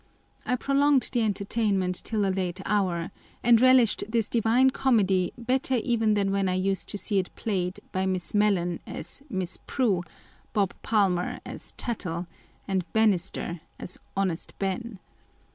I prolonged the entertainment till a late hour, and relished this divine comedy better even than when I used to see it played by Miss Mellon, as Miss Prue ; Bob Palmer, as Tattle ; and Bannister, as honest Ben.